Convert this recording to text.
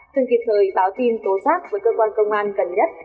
cần kịp thời báo tin tố giác với cơ quan công an gần nhất